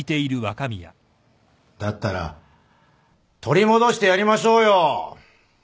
だったら取り戻してやりましょうよ